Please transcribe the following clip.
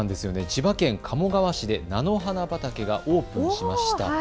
千葉県鴨川市で菜の花畑がオープンしました。